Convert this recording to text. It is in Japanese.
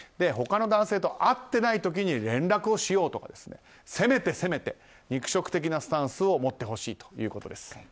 他の男性と会っていない時に連絡をしようとか攻めて攻めて肉食的なスタンスを持ってほしいということです。